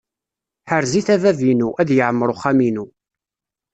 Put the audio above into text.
Ḥrez-it a bab-inu, ad yeɛmeṛ uxxam-inu.